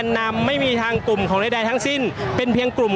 ก็น่าจะมีการเปิดทางให้รถพยาบาลเคลื่อนต่อไปนะครับ